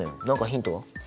何かヒントは？